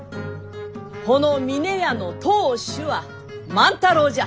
この峰屋の当主は万太郎じゃ。